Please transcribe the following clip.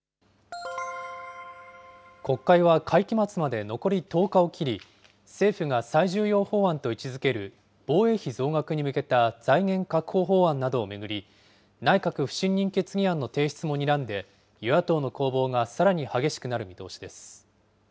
国会は会期末まで残り１０日を切り、政府が最重要法案と位置づける、防衛費増額に向けた財源確保法案などを巡り、内閣不信任決議案の提出もにらんで、与野党の攻防がさらに激しくなる見通しです。